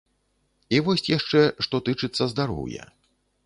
І вось яшчэ што тычыцца здароўя.